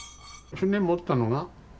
船持ったのが？